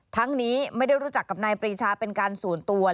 นี้ไม่ได้รู้จักกับนายปรีชาเป็นการส่วนตัว